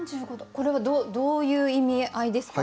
これはどういう意味合いですか？